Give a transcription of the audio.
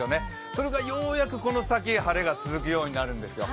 それがようやくこの先晴れが続くようになるんですよ。